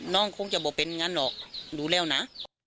น้องคงจะบอกเป็นอย่างนั้นหรอกดูแล้วนะ